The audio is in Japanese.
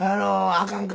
あかんか。